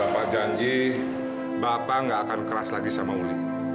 pak janji bapak gak akan keras lagi sama uli